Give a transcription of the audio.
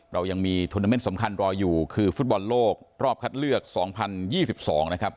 เรายังมีทวนาเมนต์สำคัญรออยู่คือฟุตบอลโลกรอบคัดเลือก๒๐๒๒นะครับ